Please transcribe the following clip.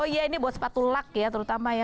oh iya ini buat sepatu luck ya terutama ya